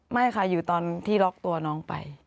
ไม่ค่ะอยู่ตอนที่ล็อกตัวน้องไป